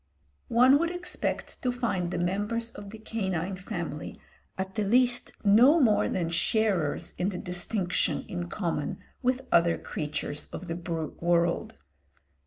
One would expect to find the members of the canine family at the least no more than sharers in the distinction in common with other creatures of the brute world.